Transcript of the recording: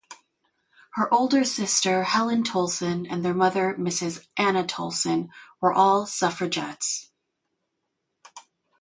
Her older sister Helen Tolson and their mother Mrs Anna Tolson were all suffragettes.